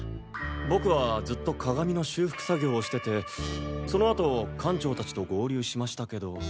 僕はずっと鏡の修復作業をしててそのあと館長たちと合流しましたけど。